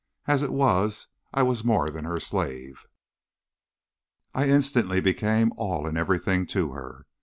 As it was, I was more than her slave. I instantly became all and everything to her.